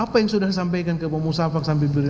apa yang sudah disampaikan ke pak musafak